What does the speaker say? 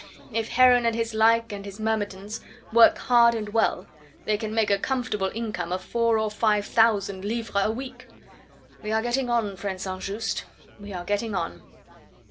if Heron and his like and his myrmidons work hard and well they can make a comfortable income of four or five thousand livres a week. We are getting on, friend St. Just we are getting on."